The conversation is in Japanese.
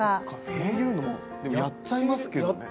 そういうのでもやっちゃいますけどね。